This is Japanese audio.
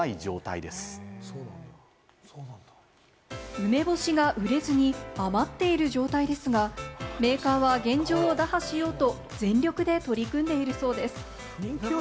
梅干しが売れずに余っている状態ですが、メーカーは現状を打破しようと全力で取り組んでいるそうです。